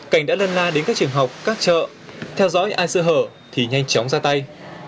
cảnh đã lân la đến các trường học các chợ theo dõi ai sửa hở thì nhanh chóng ra tay